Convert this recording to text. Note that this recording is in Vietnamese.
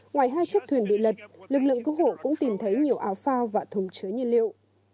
ngoài hai chiếc thuyền bị lật lực lượng cứu hộ cũng tìm thấy nhiều áo phao và thùng chứa nhiên liệu